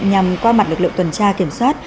nhằm qua mặt lực lượng tuần tra kiểm soát